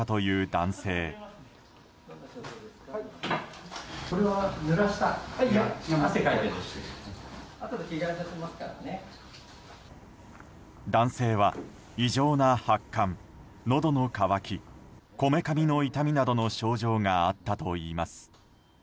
男性は、異常な発汗のどの渇きこめかみの痛みなどの症状があったといいます。